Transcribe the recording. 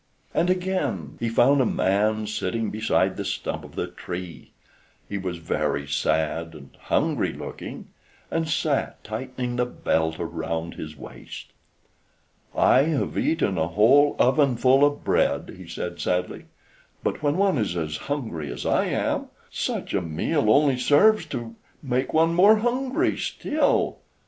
And again he found a man sitting beside the stump of the tree. He was very sad and hungry looking, and sat tightening the belt round his waist. "I have eaten a whole ovenful of bread," he said sadly, "but when one is as hungry as I am, such a meal only serves to make one more hungry still.